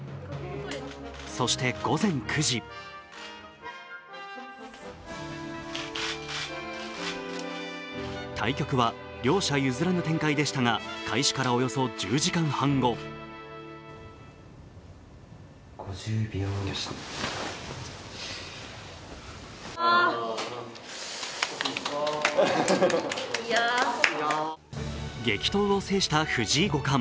そして午前９時対局は両者譲らぬ展開でしたが、開始からおよそ１０時間半後激闘を制した藤井五冠。